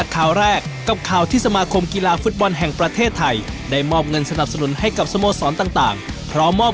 ก่อนที่เราจะไปพบกับเขานะครับ